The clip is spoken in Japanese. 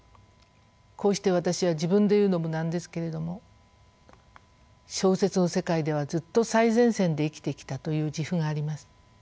こうして私は自分で言うのもなんですけれども小説の世界ではずっと最前線で生きてきたという自負があります。